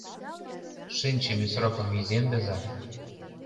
Шинчыме срокым иземдыза».